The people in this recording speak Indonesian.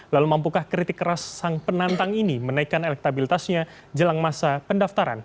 lalu mampukah kritik keras sang penantang ini menaikkan elektabilitasnya jelang masa pendaftaran